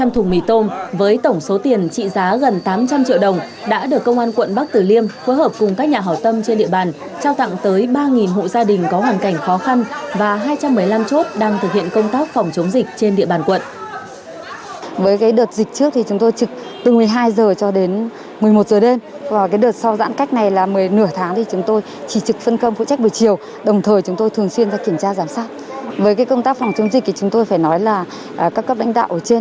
hai trăm linh thùng mì tôm với tổng số tiền trị giá gần tám trăm linh triệu đồng đã được công an quận bắc tử liêm phối hợp cùng các nhà hỏi tâm trên địa bàn trao tặng tới ba hộ gia đình có hoàn cảnh khó khăn và hai trăm một mươi năm chốt đang thực hiện công tác phòng chống dịch trên địa bàn quận